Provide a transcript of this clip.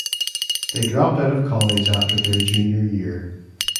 They dropped out of college after their junior year.